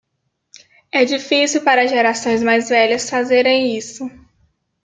É difícil para as gerações mais velhas fazerem isso